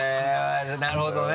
なるほどね。